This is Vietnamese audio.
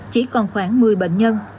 chỉ còn khoảng một mươi bệnh nhân